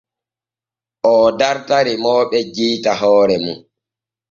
Oo darta remooɓe jewta hoore mum.